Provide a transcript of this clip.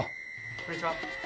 こんにちは。